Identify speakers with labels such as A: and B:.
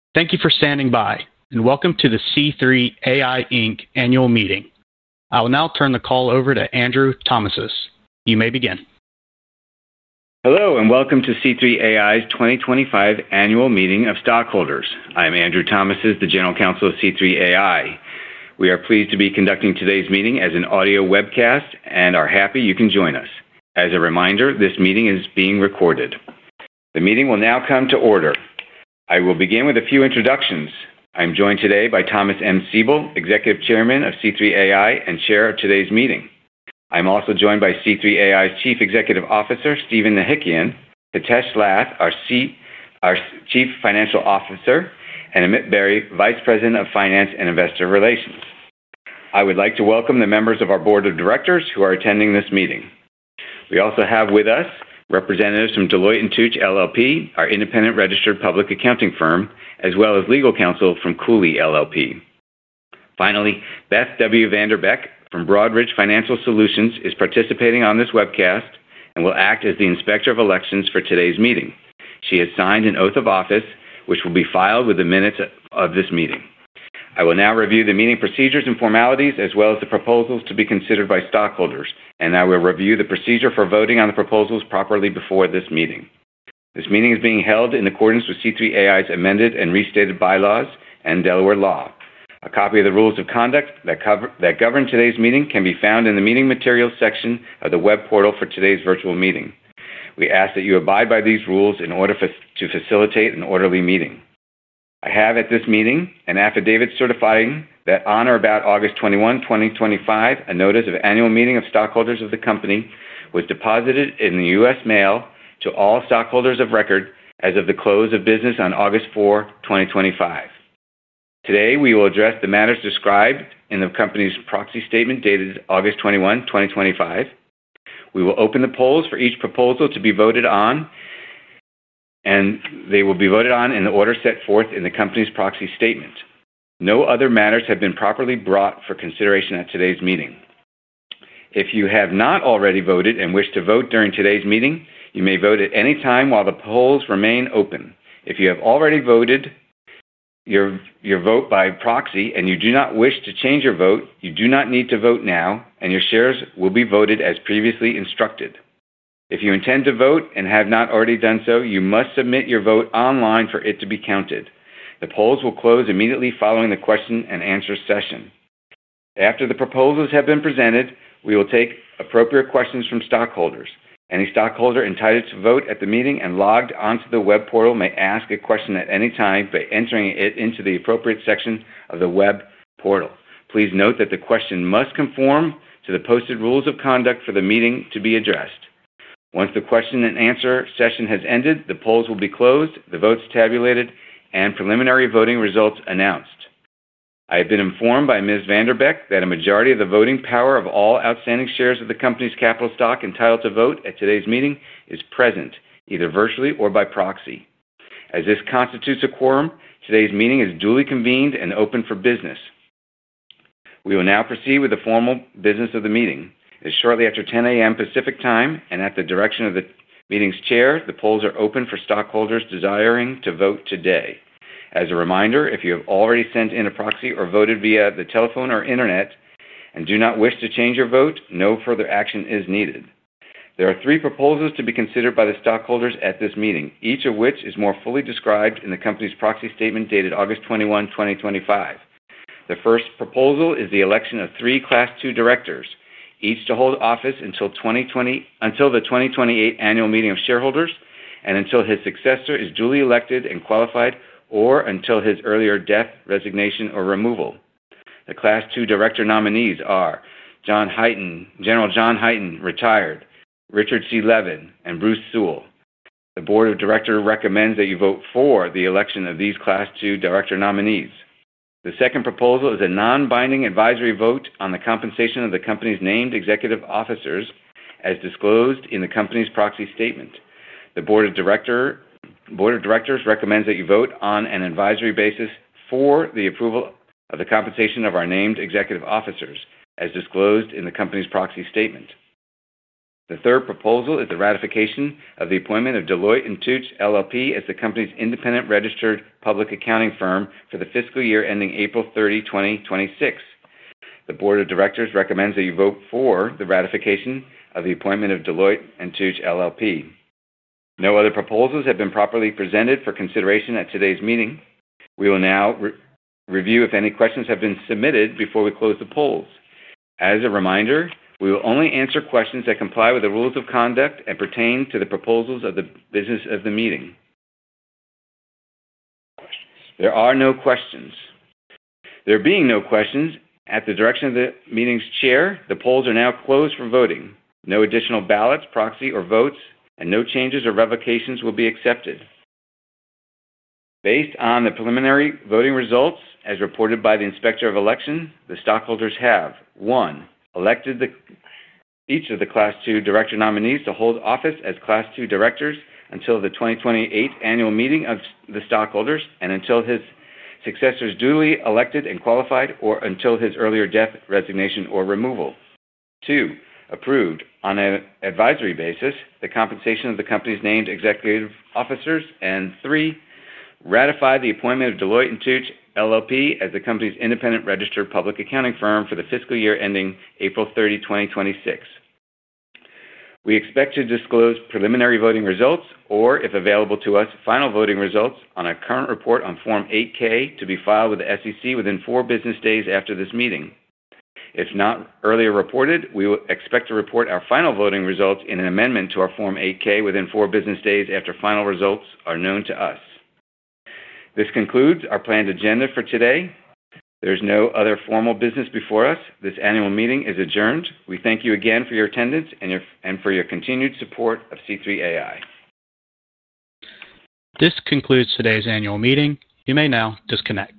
A: Thank you for standing by and welcome to the C3 AI, Inc. Annual Meeting. I will now turn the call over to Andrew T. Thomases. You may begin.
B: Hello and welcome to C3 AI's 2025 Annual Meeting of Stockholders. I am Andrew Thomases, the General Counsel of C3 AI. We are pleased to be conducting today's meeting as an audio webcast and are happy you can join us. As a reminder, this meeting is being recorded. The meeting will now come to order. I will begin with a few introductions. I am joined today by Thomas M. Siebel, Executive Chairman of C3 AI and Chair of today's meeting. I am also joined by C3 AI's Chief Executive Officer, Stephen Ehikian, Hitesh Lath, our Chief Financial Officer, and Amit Berry, Vice President of Finance and Investor Relations. I would like to welcome the members of our Board of Directors who are attending this meeting. We also have with us representatives from Deloitte & Touche LLP, our independent registered public accounting firm, as well as legal counsel from Cooley LLP. Finally, Beth W. van der Beck from Broadridge Financial Solutions is participating on this webcast and will act as the Inspector of Elections for today's meeting. She has signed an Oath of Office, which will be filed within minutes of this meeting. I will now review the meeting procedures and formalities, as well as the proposals to be considered by stockholders, and I will review the procedure for voting on the proposals properly before this meeting. This meeting is being held in accordance with C3 AI's amended and restated bylaws and Delaware law. A copy of the rules of conduct that govern today's meeting can be found in the Meeting Materials section of the web portal for today's virtual meeting. We ask that you abide by these rules in order to facilitate an orderly meeting. I have at this meeting an affidavit certifying that on or about August 21, 2025, a notice of annual meeting of stockholders of the company was deposited in the U.S. mail to all stockholders of record as of the close of business on August 4, 2025. Today, we will address the matters described in the company's proxy statement dated August 21, 2025. We will open the polls for each proposal to be voted on, and they will be voted on in the order set forth in the company's proxy statement. No other matters have been properly brought for consideration at today's meeting. If you have not already voted and wish to vote during today's meeting, you may vote at any time while the polls remain open. If you have already voted your vote by proxy and you do not wish to change your vote, you do not need to vote now, and your shares will be voted as previously instructed. If you intend to vote and have not already done so, you must submit your vote online for it to be counted. The polls will close immediately following the question-and-answer session. After the proposals have been presented, we will take appropriate questions from stockholders. Any stockholder entitled to vote at the meeting and logged onto the web portal may ask a question at any time by entering it into the appropriate section of the web portal. Please note that the question must conform to the posted rules of conduct for the meeting to be addressed. Once the question-and-answer session has ended, the polls will be closed, the votes tabulated, and preliminary voting results announced. I have been informed by Ms. van der Beck that a majority of the voting power of all outstanding shares of the company's capital stock entitled to vote at today's meeting is present, either virtually or by proxy. As this constitutes a quorum, today's meeting is duly convened and open for business. We will now proceed with the formal business of the meeting. It is shortly after 10:00 A.M. Pacific Time, and at the direction of the meeting's Chair, the polls are open for stockholders desiring to vote today. As a reminder, if you have already sent in a proxy or voted via the telephone or internet and do not wish to change your vote, no further action is needed. There are three proposals to be considered by the stockholders at this meeting, each of which is more fully described in the company's proxy statement dated August 21, 2025. The first proposal is the election of three Class II directors, each to hold office until the 2028 annual meeting of stockholders and until his successor is duly elected and qualified, or until his earlier death, resignation, or removal. The Class II director nominees are General John Hyten, Retired, Richard C. Levin, and Bruce Sewell. The Board of Directors recommends that you vote for the election of these Class II director nominees. The second proposal is a non-binding advisory vote on the compensation of the company's named executive officers, as disclosed in the company's proxy statement. The Board of Directors recommends that you vote on an advisory basis for the approval of the compensation of our named executive officers, as disclosed in the company's proxy statement. The third proposal is the ratification of the appointment of Deloitte & Touche LLP as the company's independent registered public accounting firm for the fiscal year ending April 30, 2026. The Board of Directors recommends that you vote for the ratification of the appointment of Deloitte & Touche LLP. No other proposals have been properly presented for consideration at today's meeting. We will now review if any questions have been submitted before we close the polls. As a reminder, we will only answer questions that comply with the rules of conduct and pertain to the proposals of the business of the meeting. There are no questions. There being no questions, at the direction of the meeting's Chair, the polls are now closed for voting. No additional ballots, proxy, or votes, and no changes or revocations will be accepted. Based on the preliminary voting results, as reported by the Inspector of Elections, the stockholders have: 1. Elected each of the Class II director nominees to hold office as Class II directors until the 2028 annual meeting of the stockholders and until his successor is duly elected and qualified, or until his earlier death, resignation, or removal. 2. Approved on an advisory basis, the compensation of the company's named executive officers, and 3. Ratified the appointment of Deloitte & Touche LLP as the company's independent registered public accounting firm for the fiscal year ending April 30, 2026. We expect to disclose preliminary voting results or, if available to us, final voting results on a current report on Form 8-K to be filed with the SEC within four business days after this meeting. If not earlier reported, we will expect to report our final voting results in an amendment to our Form 8-K within four business days after final results are known to us. This concludes our planned agenda for today. There is no other formal business before us. This annual meeting is adjourned. We thank you again for your attendance and for your continued support of C3 AI.
A: This concludes today's annual meeting. You may now disconnect.